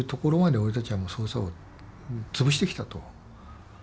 俺たちは捜査を潰してきたと。